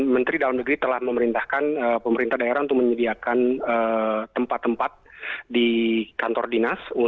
menteri dalam negeri telah memerintahkan pemerintah daerah untuk menyediakan tempat tempat di kantor dinas